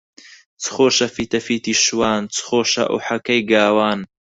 چ خۆشە فیتەفیتی شوان، چ خۆشە ئوحەکەی گاوان